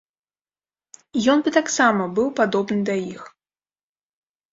І ён бы таксама быў падобны да іх.